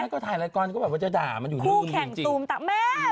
แม่ก็ถ่ายรายกรรมก็แบบว่าจะด่ามันอยู่รื่นจริง